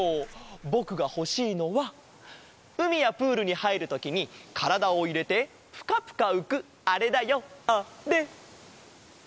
ぼくがほしいのはうみやプールにはいるときにからだをいれてプカプカうくあれだよあれ！